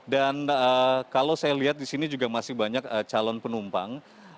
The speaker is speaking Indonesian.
kalau saya lihat di sini juga masih banyak calon penumpang